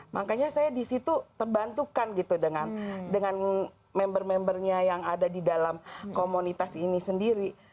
makanya saya di situ terbantukan gitu dengan member membernya yang ada di dalam komunitas ini sendiri